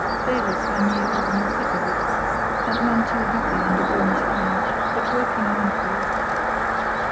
Davies, I knew, was in the thick of it, and none too happy under Böhme's eye, but working manfully.